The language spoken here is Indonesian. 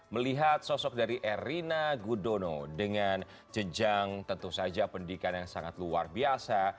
melihat sosok dari erina gudono dengan jejang tentu saja pendidikan yang sangat luar biasa